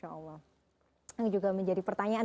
ini juga menjadi pertanyaan